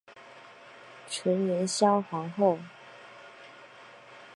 纯元肃皇后。